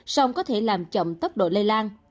song có thể làm chậm tốc độ lây lan